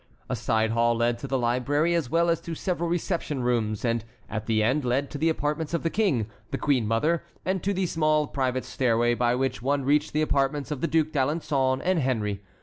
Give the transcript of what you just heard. A side hall led to the library as well as to several reception rooms, and at the end led to the apartments of the King, the queen mother, and to the small private stairway by which one reached the apartments of the Duc d'Alençon and Henry.